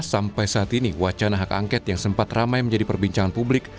sampai saat ini wacana hak angket yang sempat ramai menjadi perbincangan publik